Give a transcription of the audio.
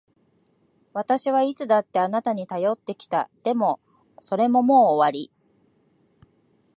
私はいつだってあなたに頼ってきた。でも、それももう終わり。